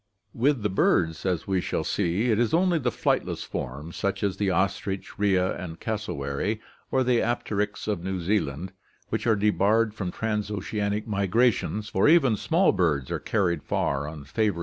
With the birds, as we shall see, it is only the flightless forms, such as the ostrich, rhea, and cassowary, or the apteryx of New Zealand, which are debarred from trans oceanic migrations, for even small birds are carried far on favoring gales.